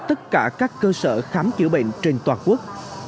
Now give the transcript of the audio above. tất cả các cơ sở khám chữa bệnh trên toàn quốc